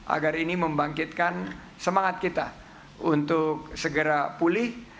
agar ini membangkitkan semangat kita untuk segera pulih